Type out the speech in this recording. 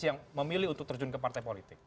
yang memilih untuk terjun ke partai politik